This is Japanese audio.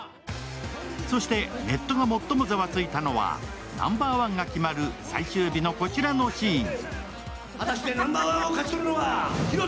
そしてネットが最もざわついたのは、ナンバーワンが決まる最終日のこちらのシーン。